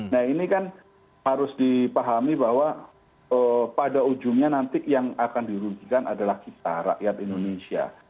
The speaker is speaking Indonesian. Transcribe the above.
nah ini kan harus dipahami bahwa pada ujungnya nanti yang akan dirugikan adalah kita rakyat indonesia